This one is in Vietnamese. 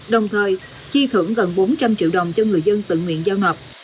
đồng thời chi thưởng gần bốn trăm linh triệu đồng cho người dân tự nguyện giao ngọc